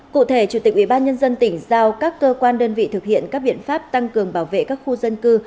cụ thể chủ tịch ubnd tỉnh giao các cơ quan đơn vị thực hiện các biện pháp tăng cường bảo vệ các khu dân cư